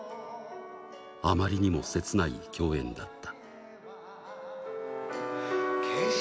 あまりにもせつない共演だった。